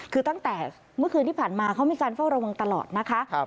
คือตั้งแต่เมื่อคืนที่ผ่านมาเขามีการเฝ้าระวังตลอดนะคะ